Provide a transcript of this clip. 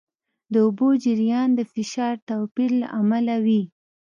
د اوبو جریان د فشار توپیر له امله وي.